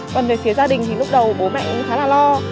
còn về phía gia đình thì lúc đầu bố mẹ cũng khá là lo